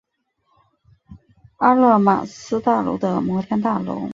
阿勒玛斯大楼的摩天大楼。